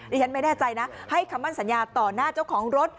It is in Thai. ฉันไม่แน่ใจนะให้คำมั่นสัญญาต่อหน้าเจ้าของรถ